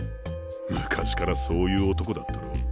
昔からそういう男だったろ？